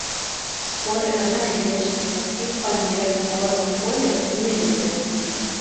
Споры аднаклетачныя, іх памеры, форма, колер зменлівыя.